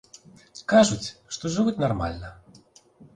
Кажуць, што жывуць нармальна.